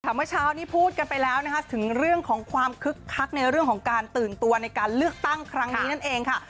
เมื่อเช้านี้พูดกันไปแล้วนะคะถึงเรื่องของความคึกคักในเรื่องของการตื่นตัวในการเลือกตั้งครั้งนี้นั่นเองค่ะ